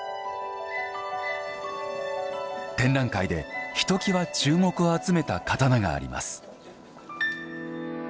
展覧会でひときわ注目を集めた刀があります。